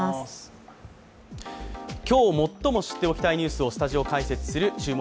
今日最も知っておきたいニュースをスタジオ解説する「注目！